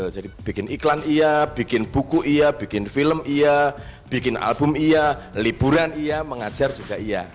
jadi bikin iklan iya bikin buku iya bikin film iya bikin album iya liburan iya mengajar juga iya